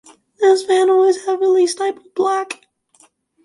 This panel is heavily stippled black.